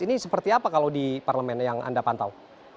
ini seperti apa kalau di parlemen yang anda pantau